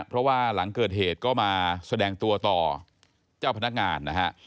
เพราะว่าหลังเกิดเหตุก็มาแสดงตัวต่อเจ้าพนักงานนะฮะ